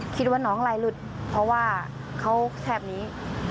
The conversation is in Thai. คิดว่าน้องลายหลุดเพราะว่าเขาแทบนี้